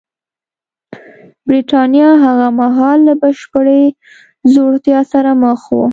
برېټانیا هغه مهال له بشپړې ځوړتیا سره مخ وه